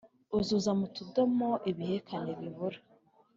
Uzuza mu tudomo ibihekane bibura